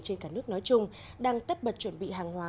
trên cả nước nói chung đang tất bật chuẩn bị hàng hóa